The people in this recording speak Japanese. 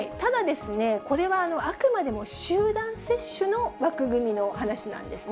ただですね、これはあくまでも集団接種の枠組みの話なんですね。